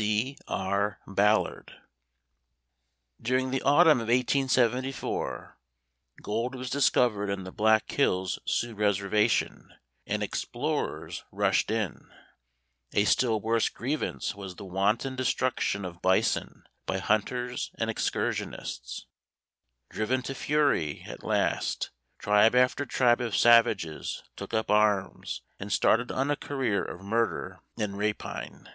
C. R. BALLARD. During the autumn of 1874, gold was discovered in the Black Hills Sioux reservation and explorers rushed in; a still worse grievance was the wanton destruction of bison by hunters and excursionists. Driven to frenzy, at last, tribe after tribe of savages took up arms, and started on a career of murder and rapine.